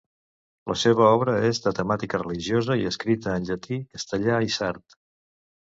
La seva obra és de temàtica religiosa, i escrita en llatí, castellà i sard.